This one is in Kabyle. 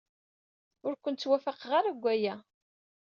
Ur ken-ttwafaqeɣ ara deg waya.